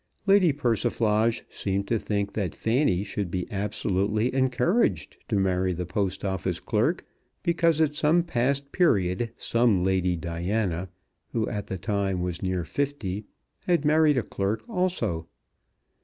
Lady Persiflage seemed to think that Fanny should be absolutely encouraged to marry the Post Office clerk, because at some past period some Lady Diana, who at the time was near fifty, had married a clerk also.